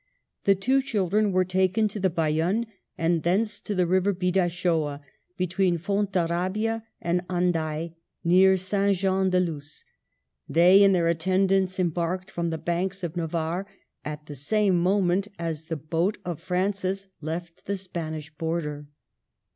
The two children were taken to Bayonne, and thence to the river Bidassoa, be tween Fontarabia and Andail, near St. Jean de Luz. They and their attendants embarked from the banks of Navarre at the same moment as the boat of Francis left the Spanish border.